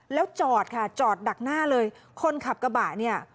แล้วจอดค่ะจอดดักหน้าเลยคนขับกระบะเนี่ย